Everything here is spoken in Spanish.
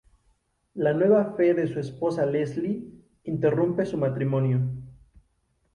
La nueva fe de su esposa, Leslie, interrumpe su matrimonio.